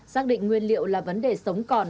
xác định nguyên liệu là vấn đề sống còn